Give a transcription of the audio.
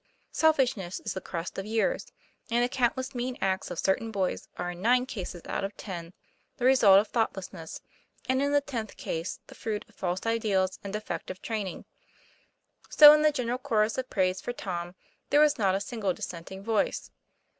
Selfishness is the crust of years; and the countless mean acts of cer tain boys are in nine cases out of ten the result of thoughtlessness, and in the tenth case, the fruit of TOM PLA YFAIR. 179 false ideals and defective training. So, in the general chorus of praise for Tom, there was not a single dissenting voice.